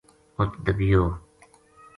اُت دبیو